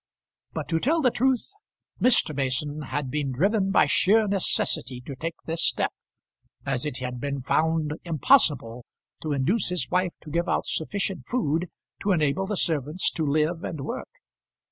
But, to tell the truth, Mr. Mason had been driven by sheer necessity to take this step, as it had been found impossible to induce his wife to give out sufficient food to enable the servants to live and work.